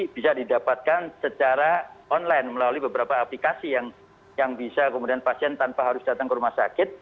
bisa didapatkan secara online melalui beberapa aplikasi yang bisa kemudian pasien tanpa harus datang ke rumah sakit